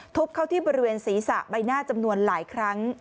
เข้าที่บริเวณศีรษะใบหน้าจำนวนหลายครั้ง